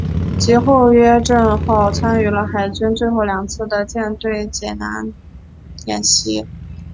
及后约克镇号参与了海军最后两次的舰队解难演习。